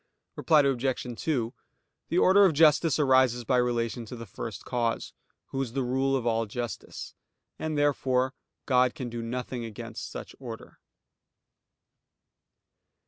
Reply Obj. 2: The order of justice arises by relation to the First Cause, Who is the rule of all justice; and therefore God can do nothing against such order.